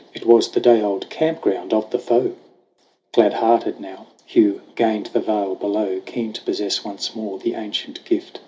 It was the day old camp ground of the foe ! Glad hearted now, Hugh gained the vale below, Keen to possess once more the ancient gift.